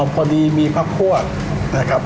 พอดีมีพักพวกนะครับ